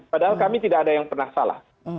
padahal kami tidak ada yang pernah salah